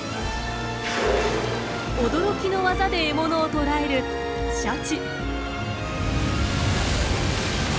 驚きの技で獲物を捕らえるシャチ。